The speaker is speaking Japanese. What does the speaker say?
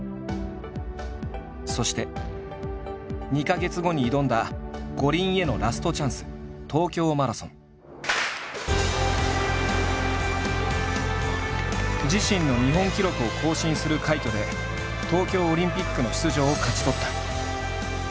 そして２か月後に挑んだ五輪へのラストチャンス自身の日本記録を更新する快挙で東京オリンピックの出場を勝ち取った。